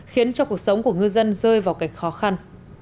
khiến cho cuộc sống của ngư dân rơi vào cảnh khó khăn